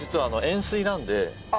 塩水なんだ。